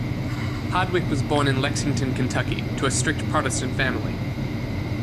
Hardwick was born in Lexington, Kentucky, to a strict Protestant family.